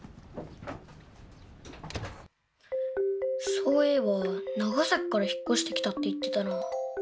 そういえば長崎から引っ越してきたって言ってたなあ。